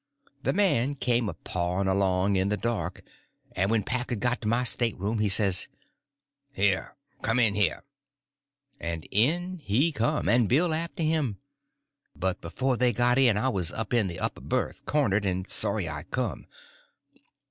The man came a pawing along in the dark, and when Packard got to my stateroom, he says: "Here—come in here." And in he come, and Bill after him. But before they got in I was up in the upper berth, cornered, and sorry I come.